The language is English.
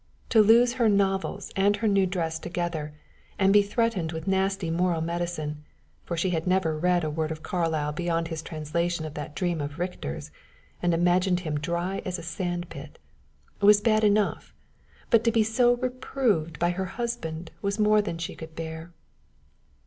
To lose her novels and her new dress together, and be threatened with nasty moral medicine for she had never read a word of Carlyle beyond his translation of that dream of Richter's, and imagined him dry as a sand pit was bad enough, but to be so reproved by her husband was more than she could bear.